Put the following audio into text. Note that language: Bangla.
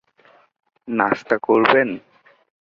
নাস্তা করবেন?